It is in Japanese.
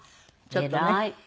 ちょっとね。